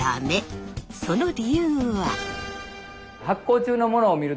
その理由は？